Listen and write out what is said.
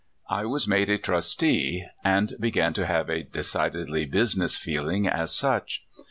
I was made a trustee, and began to have a decidedly business feeling as such.